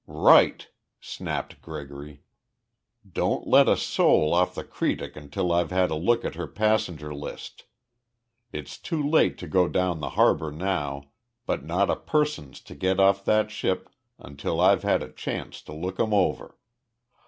"Right!" snapped Gregory. "Don't let a soul off the Cretic until I've had a look at her passenger list. It's too late to go down the harbor now, but not a person's to get off that ship until I've had a chance to look 'em over.